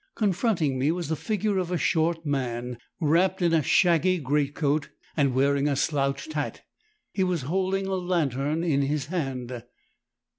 Confronting me was the figure of a short man, wrapped in a shaggy great coat, and wearing a slouched hat. He was holding a lantern in his hand.